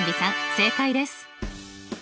正解です。